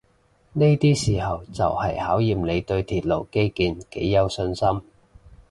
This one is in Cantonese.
呢啲時候就係考驗你對鐵路基建幾有信心